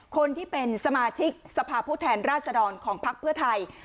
คนที่เป็นสมาชิกสภาพผู้แทนราชดรของพักเพื่อไทย